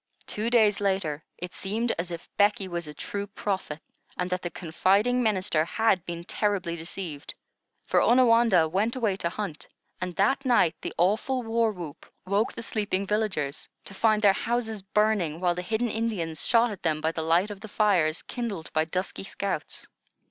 Two days later, it seemed as if Becky was a true prophet, and that the confiding minister had been terribly deceived; for Onawandah went away to hunt, and that night the awful war whoop woke the sleeping villagers, to find their houses burning, while the hidden Indians shot at them by the light of the fires kindled by dusky scouts.